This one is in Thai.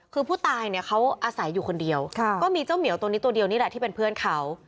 คือผู้ตายเนี่ยเขาอาศัยอยู่คนเดียวก็มีเจ้าเหมียวตัวนี้ตัวเดียวนี่แหละที่เป็นเพื่อนเขา